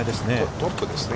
トップですね。